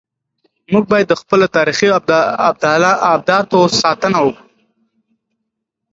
موږ باید د خپلو تاریخي ابداتو ساتنه وکړو.